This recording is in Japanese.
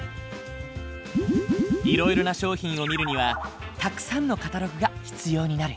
いろいろな商品を見るにはたくさんのカタログが必要になる。